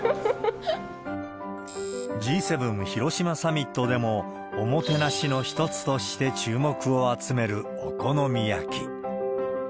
Ｇ７広島サミットでも、おもてなしの一つとして注目を集めるお好み焼き。